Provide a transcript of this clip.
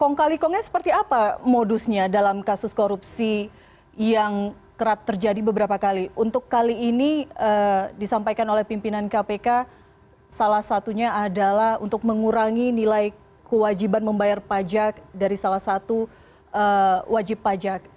oke bukti bukti hilang dan sebagainya gitu tapi justru untuk mengungkap luasan kasus korupsi yang terjadi beberapa kali untuk kali ini disampaikan oleh pimpinan kpk salah satunya adalah untuk mengurangi nilai kewajiban membayar pajak dari salah satu wajib pajak